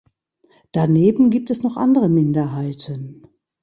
Daneben gibt es noch andere Minderheiten.